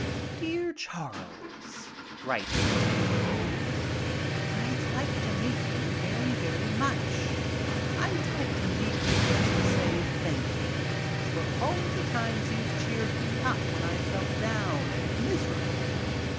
"Dear Charles," writes an 11 year old, "I'd like to meet you very, very much. I'd like to meet you just to say thank you for all the times you've cheered me up when I've felt down and miserable.